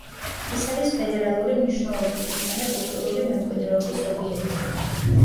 ის არის ფედერალური მნიშვნელობის მქონე კულტურული მემკვიდრეობის ობიექტი.